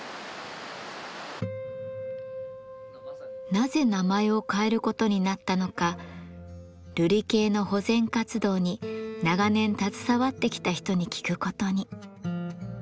なぜ名前を変えることになったのかるり渓の保全活動に長年携わってきた人に聞くことに。